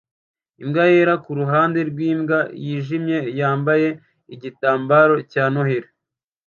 Imbwa yera kuruhande rwimbwa yijimye yambaye igitambaro cya Noheri